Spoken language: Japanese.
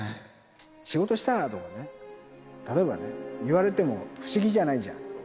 仕事したら？とかね、例えばね、言われても不思議じゃないじゃん。